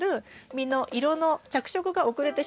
実の色の着色が遅れてしまいます。